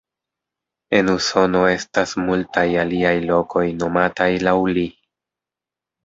En Usono estas multaj aliaj lokoj nomataj laŭ li.